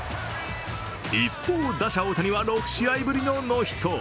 一方、打者・大谷は６試合ぶりのノーヒット。